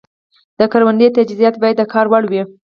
د کروندې تجهیزات باید د کار وړ وي.